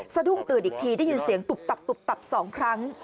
สะดุ้งตื่นอีกทีได้ยินเสียงตุบสองครั้ง